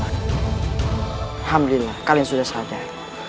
alhamdulillah kalian sudah sadar